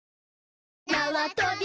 なわとび